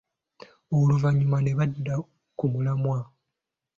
Oluvannyuma ne badda ku mulamwa.